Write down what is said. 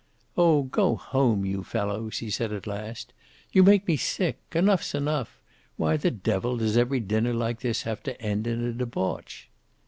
"Oh, go home, you fellows," he said at last. "You make me sick. Enough's enough. Why the devil does every dinner like this have to end in a debauch?"